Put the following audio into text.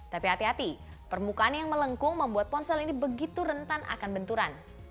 tapi hati hati permukaan yang melengkung membuat ponsel ini begitu rentan akan benturan